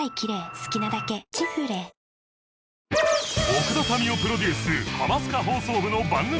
奥田民生プロデュース『ハマスカ放送部』の番組